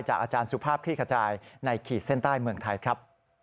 อาจารย์สุภาพคลี่ขจายในขีดเส้นใต้เมืองไทยครับ